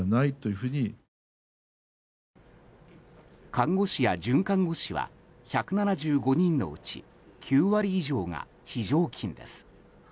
看護師や准看護師は１７５人のうち９割以上が非常勤です。